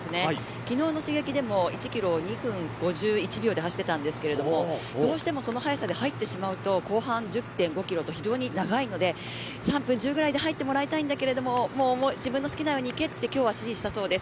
昨日の試走でも１キロ２分５１秒だったんですがどうしてもその速さで入ってしまうと後半１０．５キロと非常に長いので３分１０ぐらいで入ってもらいたいんだけど自分の好きなようにいけと指示したそうです。